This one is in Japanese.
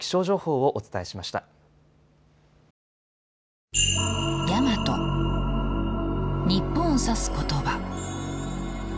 日本を指す言葉。